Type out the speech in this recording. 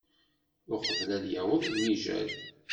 Uqbel ad yaweḍ lemijal.